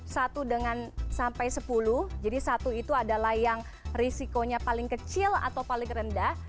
satu dengan sampai sepuluh jadi satu itu adalah yang risikonya paling kecil atau paling rendah